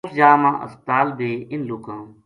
اُس جا ما ہسپتا ل بے اِنھ لوکاں